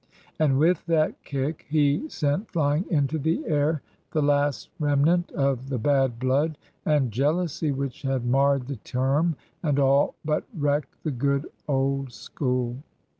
And with that kick he sent flying into the air the last remnant of the bad blood and jealousy which had marred the term and all but wrecked the good old School.